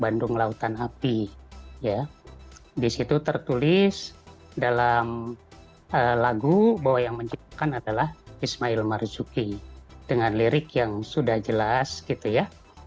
bandung lautan api ya disitu tertulis dalam lagu bahwa yang menciptakan adalah ismail marzuki dengan lirik yang sudah jelas gitu ya